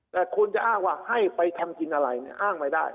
แต่คนจะอ้างว่าให้ไปทำกินอะไรเนี่ยอ้างไม่ได้